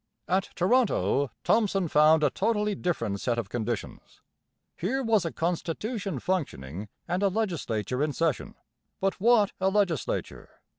At Toronto Thomson found a totally different set of conditions. Here was a constitution functioning and a legislature in session; but what a legislature!